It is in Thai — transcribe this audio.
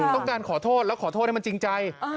ต้องการขอโทษแล้วขอโทษให้มันจริงใจ